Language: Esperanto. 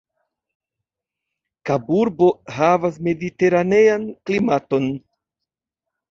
Kaburbo havas mediteranean klimaton.